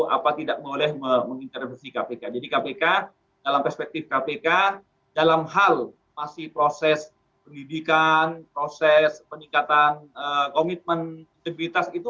apa tidak boleh mengintervensi kpk jadi kpk dalam perspektif kpk dalam hal masih proses pendidikan proses peningkatan komitmen integritas itu